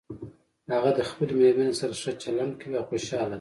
هغه د خپلې مېرمنې سره ښه چلند کوي او خوشحاله ده